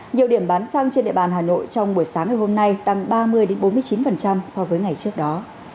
nhiều điểm bán xăng trên địa bàn hà nội trong buổi sáng ngày hôm nay tăng ba mươi bốn mươi chín so với ngày trước đó